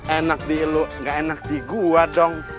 enak di lu gak enak di gua dong